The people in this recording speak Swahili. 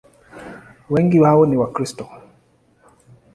Wengi wao ni Wakristo.